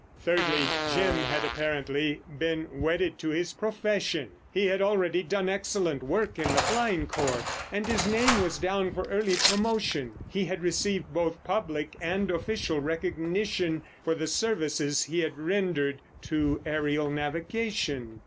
Thirdly, Jim had apparently been wedded to his profession. He had already done excellent work in the Flying Corps, and his name was down for early promotion. He had received both public and official recognition for the services he had rendered to aerial navigation.